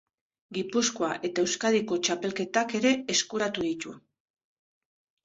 Gipuzkoa eta Euskadiko txapelketak ere eskuratu ditu.